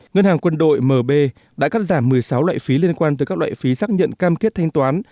ngân hàng quân đội mb đã cắt giảm một mươi sáu loại phí liên quan tới các loại phí xác nhận cam kết thanh toán